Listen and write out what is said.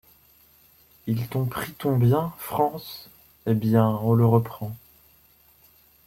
Ils t'ont pris ton bien, France ? Eh bien, on le reprend.